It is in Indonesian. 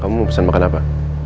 kamu mau pesan makan apa